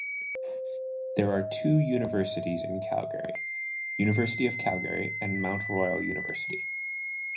There are two universities in Calgary: University of Calgary and Mount Royal University.